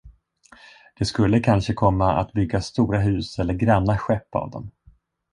Det skulle kanske komma att byggas stora hus eller granna skepp av dem.